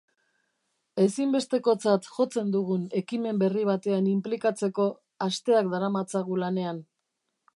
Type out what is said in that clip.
Ezinbestekotzat jotzen dugun ekimen berri batean inplikatzeko asteak daramatzagu lanean.